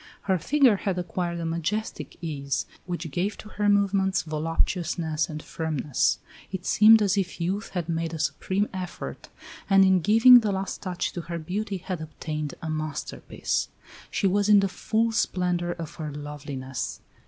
Her figure had acquired a majestic ease, which gave to her movements voluptuousness and firmness. It seemed as if youth had made a supreme effort, and in giving the last touch to her beauty had obtained a masterpiece. She was in the full splendor of her loveliness.